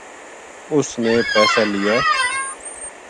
اس نےپیسا لیا